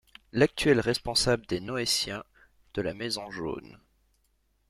l'actuelle responsable des Noétiens de la maison Jaune.